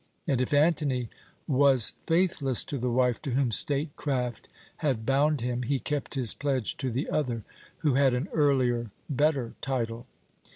And if Antony was faithless to the wife to whom statecraft had bound him, he kept his pledge to the other, who had an earlier, better title.